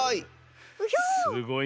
すごい！